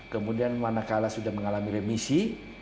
kemudian mana kalah sudah mengalami remisi